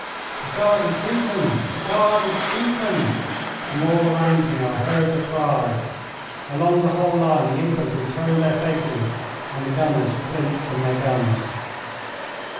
"The Guard is beaten! The Guard is beaten!" From all around me I heard the cry. Along the whole line the infantry turned their faces and the gunners flinched from their guns.